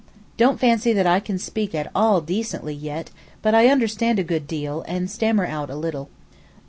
Don't fancy that I can speak at all decently yet, but I understand a good deal, and stammer out a little.